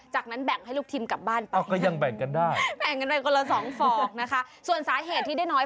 จากนั้นแบ่งให้ลูกทิมกลับบ้านไปแบ่งกันไปกันละ๒ฟองนะคะส่วนสาเหตุที่ได้น้อย